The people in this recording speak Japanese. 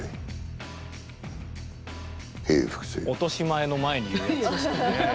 落とし前の前に言うやつですね。